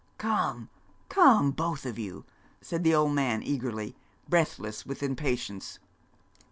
'Come, come, both of you,' said the old man, eagerly, breathless with impatience.